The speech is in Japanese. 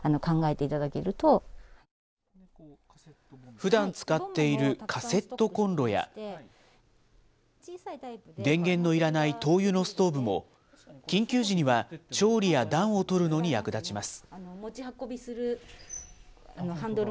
ふだん使っているカセットコンロや、電源のいらない灯油のストーブも、緊急時には調理や暖をとるのに役立ちます。